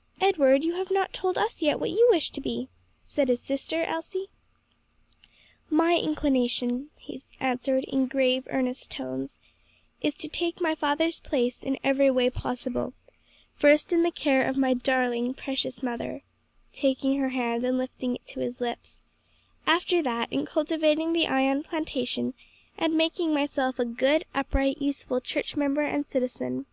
'" "Edward, you have not told us yet what you wish to be," said his sister Elsie. "My inclination," he answered in grave, earnest tones, "is to take my father's place in every way possible, first in the care of my darling, precious mother," taking her hand and lifting it to his lips, "after that in cultivating the Ion plantation and making myself a good, upright, useful church member and citizen."